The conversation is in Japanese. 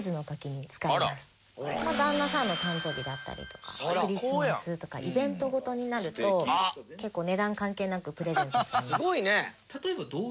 旦那さんの誕生日だったりとかクリスマスとかイベント事になると結構値段関係なくプレゼントしちゃいます。